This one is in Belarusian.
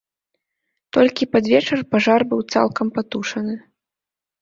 Толькі пад вечар пажар быў цалкам патушаны.